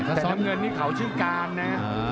แต่น้ำเงินนี่เขาชื่อการนะ